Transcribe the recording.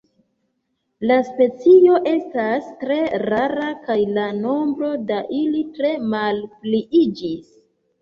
La specio estas tre rara kaj la nombro da ili tre malpliiĝis.